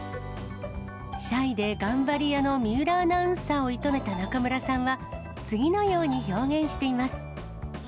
シャイで頑張り屋の水卜アナウンサーを射止めた中村さんは、次のように表現しています。